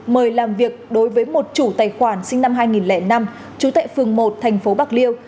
mời làm việc đối với một chủ tài khoản sinh năm hai nghìn năm trú tại phường một thành phố bạc liêu